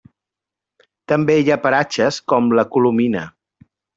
També hi ha paratges com La Colomina.